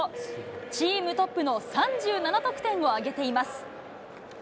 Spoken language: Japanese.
チームトップの３７得点を挙げています。